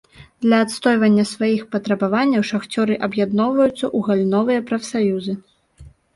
Для адстойвання сваіх патрабаванняў шахцёры аб'ядноўваюцца ў галіновыя прафсаюзы.